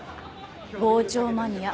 傍聴マニア。